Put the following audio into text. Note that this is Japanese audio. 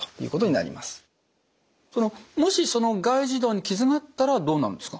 もし外耳道に傷があったらどうなるんですか？